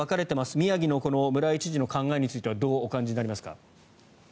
宮城の村井知事の考えについてどうお考えになりますか？